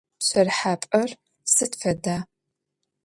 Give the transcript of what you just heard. Пщэрыхьапӏэр сыд фэда?